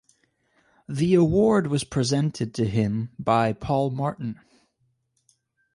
The award was presented to him by Paul Martin.